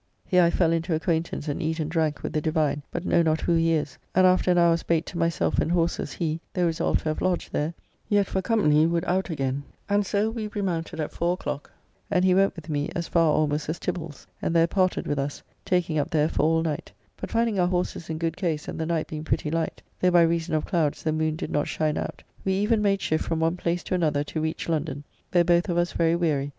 Here I fell into acquaintance and eat and drank with the divine, but know not who he is, and after an hour's bait to myself and horses he, though resolved to have lodged there, yet for company would out again, and so we remounted at four o'clock, and he went with me as far almost as Tibbald's and there parted with us, taking up there for all night, but finding our horses in good case and the night being pretty light, though by reason of clouds the moon did not shine out, we even made shift from one place to another to reach London, though both of us very weary.